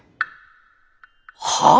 はあ！？